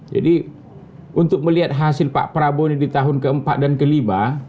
jadi untuk melihat hasil pak prabowo ini di tahun keempat dan kelima